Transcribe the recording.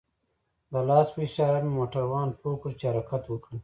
د لاس په اشاره مې موټروان پوه كړ چې حركت وكړي.